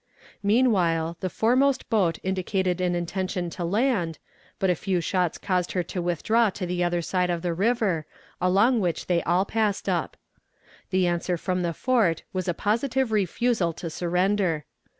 Meanwhile, the foremost boat indicated an intention to land, but a few shots caused her to withdraw to the other side of the river, along which they all passed up. The answer from the fort was a positive refusal to surrender.